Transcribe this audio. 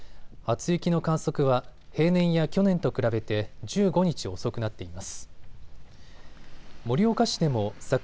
初雪の観測は平年や去年と比べて１４日遅くなっています。